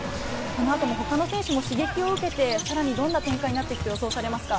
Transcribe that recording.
この後も他の選手も刺激を受けて、さらにどんな展開になっていくと予想されますか？